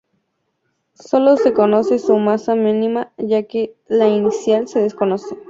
Sólo se conoce su masa mínima ya que la inclinación se desconoce.